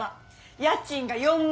家賃が４万。